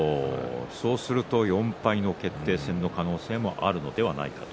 そうすると４敗の決定戦の可能性もあるのではないかと。